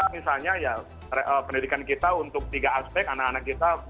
misalnya ya pendidikan kita untuk tiga aspek anak anak kita